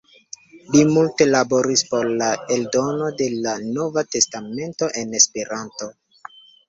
Li multe laboris por la eldono de la Nova testamento en Esperanto.